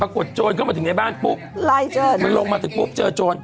โจรเข้ามาถึงในบ้านปุ๊บไล่โจรมันลงมาถึงปุ๊บเจอโจร